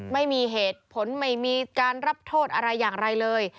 ไม่มีเหตุผลไม่มีการรับโทษอะไรอย่างไรเลย